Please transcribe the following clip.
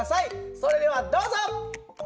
それではどうぞ！